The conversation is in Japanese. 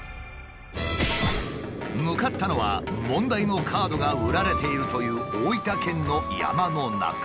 向かったのは問題のカードが売られているという大分県の山の中。